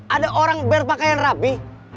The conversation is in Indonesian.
ada orang berpakaian rapi